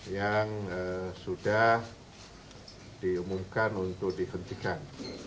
yang sudah diumumkan untuk dihentikan